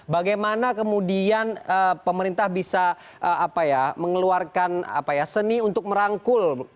bagaimana kemudian pemerintah bisa mengeluarkan seni untuk merangkul